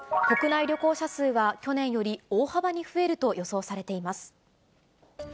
国内旅行者数は去年より大幅に増えると予想されています。